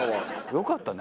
よかったね。